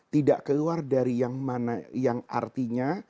tidak keluar dari yang artinya